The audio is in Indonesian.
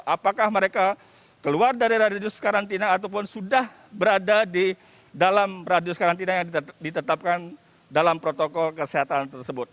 apakah mereka keluar dari radius karantina ataupun sudah berada di dalam radius karantina yang ditetapkan dalam protokol kesehatan tersebut